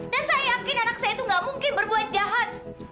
dan saya yakin anak saya itu nggak mungkin berbuat jahat